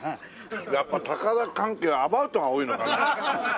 やっぱ高田関係はアバウトが多いのかな？